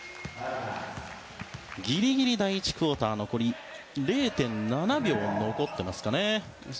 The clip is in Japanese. ギリギリ第１クオーターは０．７秒残っています。